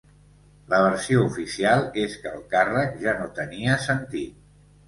La versió oficial és que el càrrec ja no tenia sentit.